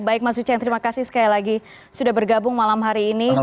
baik mas uceng terima kasih sekali lagi sudah bergabung malam hari ini